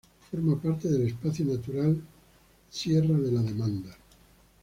Forma parte del Espacio Natural Sierra de la Demanda.